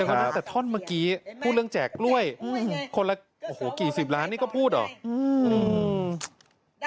แต่ท่อนเมื่อกี้พูดเรื่องแจกกล้วยคนละกี่สิบล้านนี่ก็พูดเหรอ